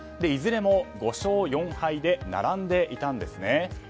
いずれも５勝４敗で並んでいたんですね。